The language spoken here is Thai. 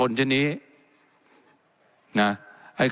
และยังเป็นประธานกรรมการอีก